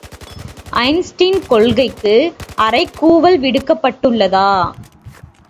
Einstein கொள்கைக்கு அறைகூவல் விடுக்கப்பட்டுள்ளதா?